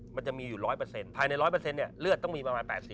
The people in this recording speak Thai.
มันจะมีอยู่ร้อยเปอร์เซ็นต์